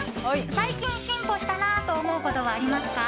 最近、進歩したなと思うことはありますか？